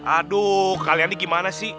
aduh kalian ini gimana sih